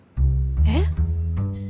えっ？